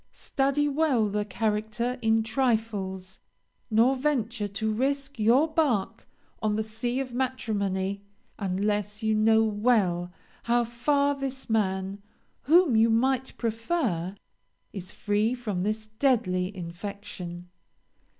Study well the character in trifles; nor venture to risk your bark on the sea of matrimony, unless you know well how far this man, whom you might prefer, is free from this deadly infection.